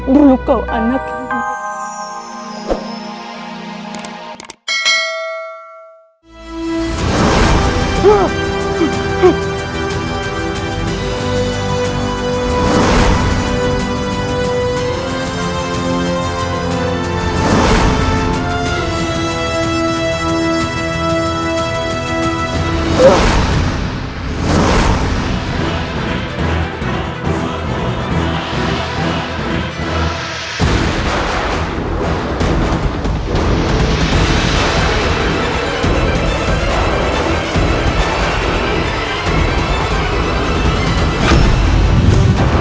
dulu kau anakku